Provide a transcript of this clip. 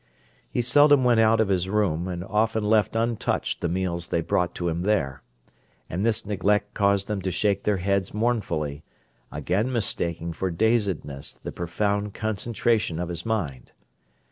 He seldom went out of his room, and often left untouched the meals they brought to him there; and this neglect caused them to shake their heads mournfully, again mistaking for dazedness the profound concentration of his mind.